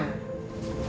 dulu ibu gak apa apa